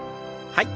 はい。